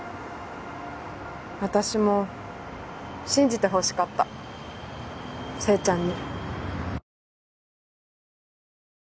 私も信じてほしかった正ちゃんに。